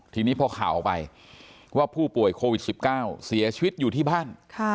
ทีนี้พอข่าวออกไปว่าผู้ป่วยโควิด๑๙เสียชีวิตอยู่ที่บ้าน